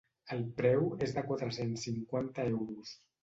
El preu és de quatre-cents cinquanta euros.